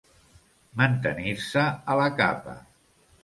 Mantenir-se a la capa.